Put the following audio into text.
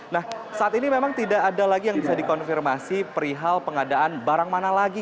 nah saat ini memang tidak ada lagi yang bisa dikonfirmasi perihal pengadaan barang mana lagi